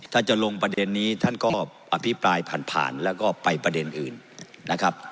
ถ้าจะลงประเด็นนี้ท่านก็อภิปรายผ่านผ่านแล้วก็ไปประเด็นอื่นนะครับ